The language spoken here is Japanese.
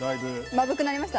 マブくなりました？